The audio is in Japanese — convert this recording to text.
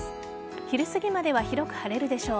昼すぎまでは広く晴れるでしょう。